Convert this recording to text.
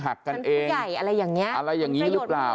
หักกันเองใหญ่อะไรอย่างเงี้อะไรอย่างนี้หรือเปล่า